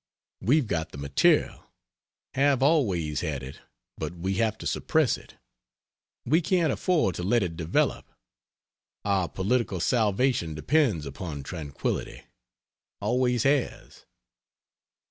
We've got the material have always had it but we have to suppress it; we can't afford to let it develop; our political salvation depends upon tranquillity always has."